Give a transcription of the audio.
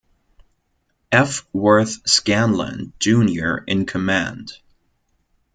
F. Worth Scanland, Junior in command.